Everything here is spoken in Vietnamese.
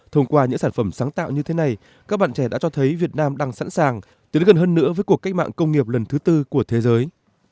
thông qua những sản phẩm sáng tạo như thế này các bạn trẻ đã cho thấy việt nam đang sẵn sàng tiến gần hơn nữa với cuộc cách mạng công nghiệp lần thứ tư của thế giới